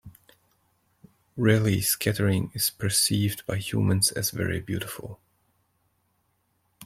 Raleigh scattering is perceived by humans as very beautiful.